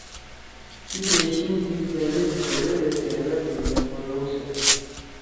تے پیشیِم دی طألب پھوریل اے تیروأل گھیِندے پڙَؤسأد۔